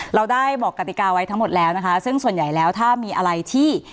เราได้บอกกติกาไว้ทั้งหมดแล้วนะคะซึ่งส่วนใหญ่แล้วถ้ามีอะไรที่